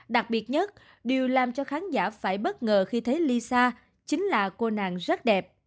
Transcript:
đặc biệt nhất điều làm cho khán giả phải bất ngờ khi thấy ly xa chính là cô nàng rất đẹp